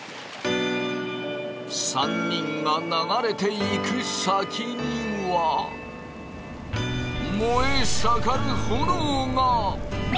３人が流れていく先には燃え盛る炎が！